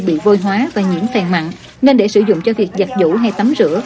bị vôi hóa và nhiễm phèn mặn nên để sử dụng cho việc giặt dũ hay tắm rửa